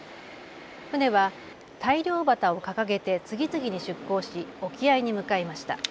船は大漁旗を掲げて次々に出港し沖合に向かいました。